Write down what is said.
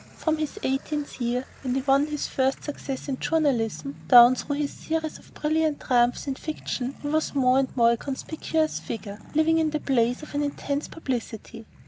From his eighteenth year, when he won his first success in journalism, down through his series of brilliant triumphs in fiction, he was more and more a conspicuous figure, living in the blaze of an intense publicity.